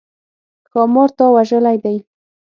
ښامار تا وژلی دی؟